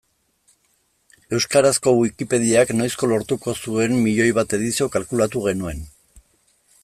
Euskarazko Wikipediak noizko lortuko zuen miloi bat edizio kalkulatu genuen.